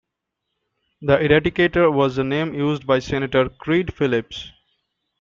The Eradicator was the name used by Senator Creed Phillips.